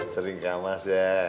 sering kamas ya